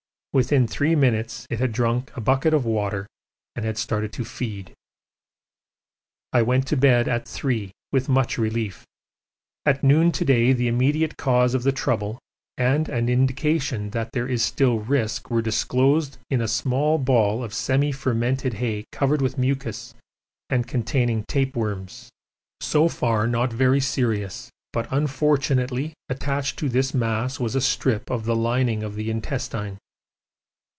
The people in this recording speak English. Within three minutes it had drunk a bucket of water and had started to feed. I went to bed at 3 with much relief. At noon to day the immediate cause of the trouble and an indication that there is still risk were disclosed in a small ball of semi fermented hay covered with mucus and containing tape worms; so far not very serious, but unfortunately attached to this mass was a strip of the lining of the intestine.